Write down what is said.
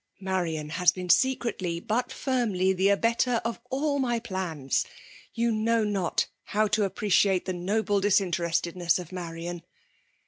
" Marian has been secretly, but firmly, the abettor of all my plans. You know not how to appreciate the noble disinterestedness of Marian.'